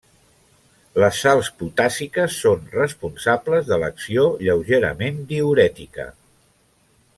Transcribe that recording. Les sals potàssiques són responsables de l'acció lleugerament diürètica.